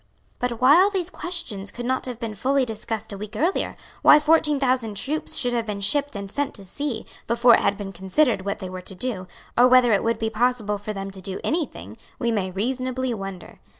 But why all these questions could not have been fully discussed a week earlier, why fourteen thousand troops should have been shipped and sent to sea, before it had been considered what they were to do, or whether it would be possible for them to do any thing, we may reasonably wonder.